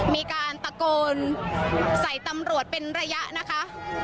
มีการตะโกนใส่ตำรวจเป็นระยะนะคะ